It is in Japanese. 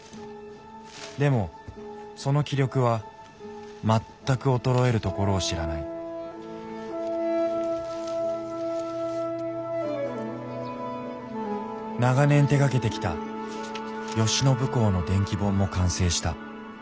でもその気力は全く衰えるところを知らない長年手がけてきた慶喜公の伝記本も完成した。